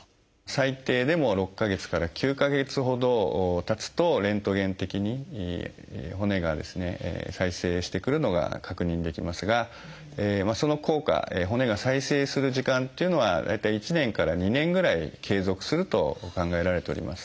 最低でも６か月から９か月ほどたつとレントゲン的に骨がですね再生してくるのが確認できますがその効果骨が再生する時間っていうのは大体１年から２年ぐらい継続すると考えられております。